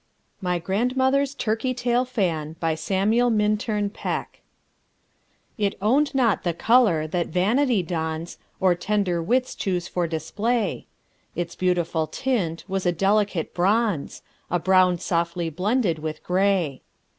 MY GRANDMOTHER'S TURKEY TAIL FAN BY SAMUEL MINTURN PECK It owned not the color that vanity dons Or slender wits choose for display; Its beautiful tint was a delicate bronze, A brown softly blended with gray.